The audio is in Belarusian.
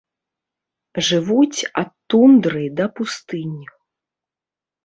Жывуць ад тундры да пустынь.